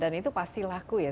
dan itu pasti laku ya